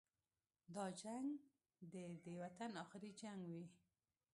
دا جنګ دې د وطن اخري جنګ وي.